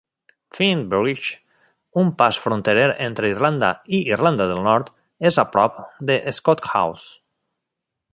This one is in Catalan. Finn Bridge, un pas fronterer entre Irlanda i Irlanda del Nord, és a prop de Scotshouse.